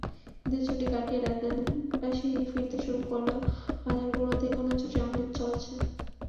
ঈদের ছুটি কাটিয়ে রাজধানীবাসী ফিরতে শুরু করলেও বাজারগুলোতে এখনো ছুটির আমেজ চলছে।